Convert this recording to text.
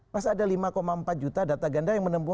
masa ada lima empat juta data ganda yang menempuhkan